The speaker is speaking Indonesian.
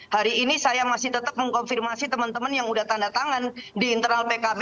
hari ini saya masih tetap mengkonfirmasi teman teman yang sudah tanda tangan di internal pkb